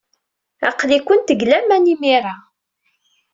Aql-ikent deg laman imir-a.